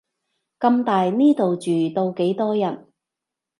咁大，呢度住到幾多人